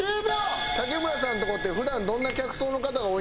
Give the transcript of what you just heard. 竹村さんとこって普段どんな客層の方が多いんですか？